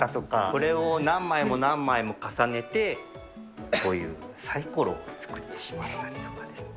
これを何枚も何枚も重ねて、こういうさいころを作ってしまったりとかですね。